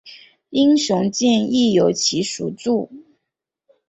英雄剑亦由其所铸。